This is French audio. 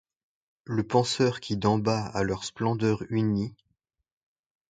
Le penseur qui, d'en bas à leur splendeur uni